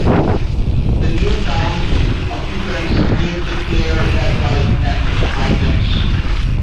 The new town occupants give the player advice and items.